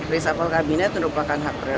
risafel kabinet merupakan hak prerogatif